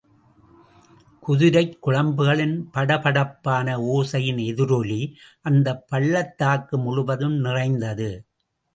குதிரைக் குளம்புகளின் படபடப்பான ஓசையின் எதிரொலி அந்தப்பள்ளத்தாக்கு முழுவதும் நிறைந்தது.